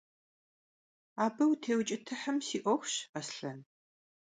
Abı vutêuç'ıtıhım si 'uexuş, Aslhen.